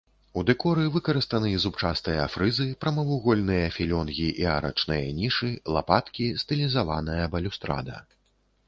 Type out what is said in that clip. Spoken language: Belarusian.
У дэкоры выкарыстаны зубчастыя фрызы, прамавугольныя філёнгі і арачныя нішы, лапаткі, стылізаваная балюстрада.